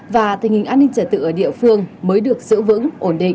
và tình hình an ninh trật tự ở địa phương mới được giữ vững ổn định